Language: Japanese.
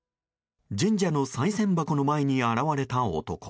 神社のさい銭箱の前に現れた男。